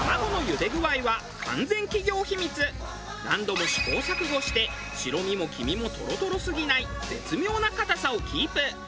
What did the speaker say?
何度も試行錯誤して白身も黄身もトロトロすぎない絶妙な硬さをキープ。